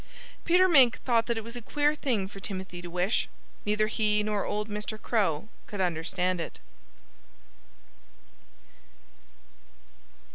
Peter Mink thought that that was a queer thing for Timothy to wish. Neither he nor old Mr. Crow could understand it.